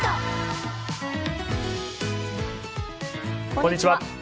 こんにちは。